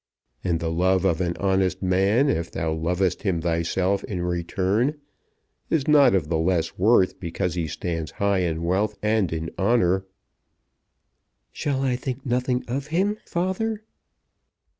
And the love of an honest man, if thou lovest him thyself in return, is not of the less worth because he stands high in wealth and in honour." "Shall I think nothing of him, father?"